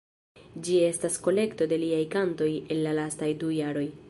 Ĝi estas kolekto de liaj kantoj el la lastaj du jaroj.